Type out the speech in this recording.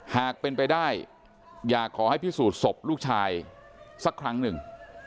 หากเป็นไปได้อยากขอให้พิสูจน์ศพลูกชายสักครั้งหนึ่ง